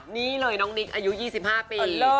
นี่เลยน้องนิกอายุ๒๕ปี